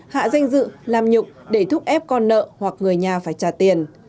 hạ danh dự làm nhục để thúc ép con nợ hoặc người nhà phải trả tiền